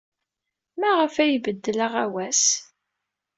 Maɣef ay ibeddel aɣawas?